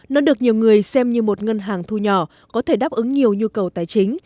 nó được nhiều người xem như một ngân hàng thu nhỏ có thể đáp ứng nhiều nhu cầu tài chính